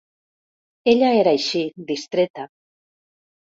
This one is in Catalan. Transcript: Ella era així, distreta.